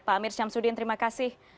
pak amir syamsuddin terima kasih